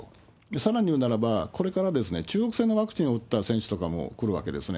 さらに言うならば、これから中国製のワクチンを打った選手とかも来るわけですね。